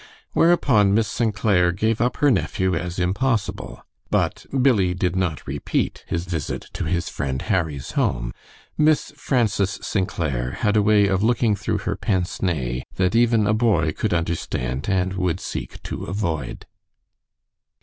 Whereupon Miss St. Clair gave up her nephew as impossible. But Billie did not repeat his visit to his friend Harry's home. Miss Frances St. Clair had a way of looking through her pince nez that even a boy could understand and would seek to avoid.